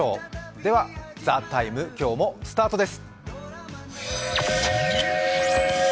では、「ＴＨＥＴＩＭＥ，」今日もスタートです。